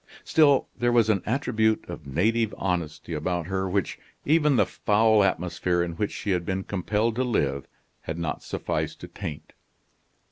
Still, there was an attribute of native honesty about her which even the foul atmosphere in which she had been compelled to live had not sufficed to taint.